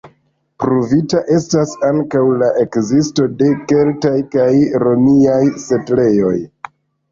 Pruvita estas ankaŭ la ekzisto de keltaj kaj romiaj setlejoj.